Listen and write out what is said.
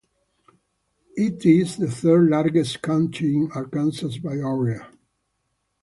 It is the third-largest county in Arkansas by area.